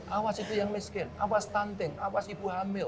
awas itu yang miskin awas stunting awas ibu hamil